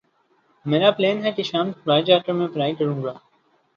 میرا پلین ہے کہ شام کو گھر جا کے میں پڑھائی کرو گا۔